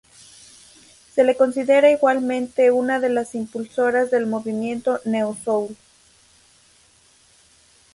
Se le considera igualmente una de las impulsoras del movimiento neo soul.